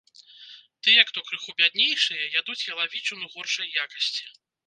Тыя, хто крыху бяднейшыя, ядуць ялавічыну горшай якасці.